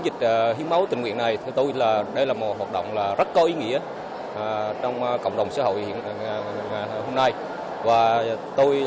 vận động là rất có ý nghĩa trong cộng đồng xã hội hôm nay